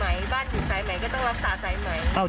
บ้านอยู่สายใหม่ก็ต้องรักษาสายใหม่